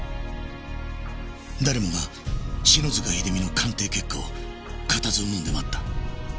誰もが篠塚秀実の鑑定結果を固唾を呑んで待った。